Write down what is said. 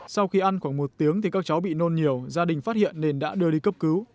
sau khi ăn khoảng một tiếng thì các cháu bị nôn nhiều gia đình phát hiện nên đã đưa đi cấp cứu